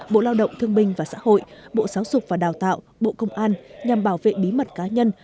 bộ lao động thương binh và xã hội bộ giáo dục và đào tạo bộ công an nhằm bảo vệ bí mật cá nhân